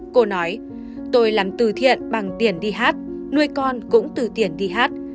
cô nói tôi làm từ thiện bằng tiền đi hát nuôi con cũng từ tiền đi hát